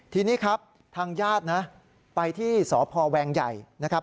ทีนี้ครับทางญาติไปที่สพแวงใหญ่